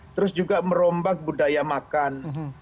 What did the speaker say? terus juga merombak budaya makan